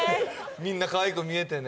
みんなかわいく見えてね